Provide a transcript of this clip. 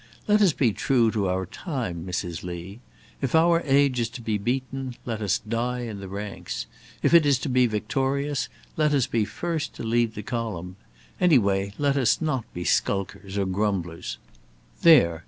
Let us be true to our time, Mrs. Lee! If our age is to be beaten, let us die in the ranks. If it is to be victorious, let us be first to lead the column. Anyway, let us not be skulkers or grumblers. There!